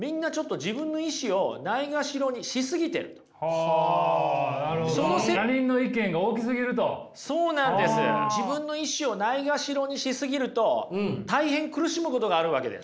自分の意志をないがしろにし過ぎると大変苦しむことがあるわけです。